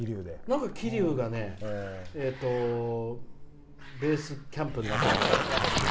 なんか桐生はベースキャンプになってましたよ。